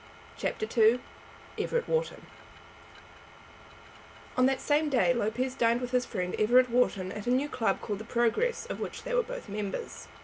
CHAPTER II Everett Wharton On that same day Lopez dined with his friend Everett Wharton at a new club called the Progress, of which they were both members.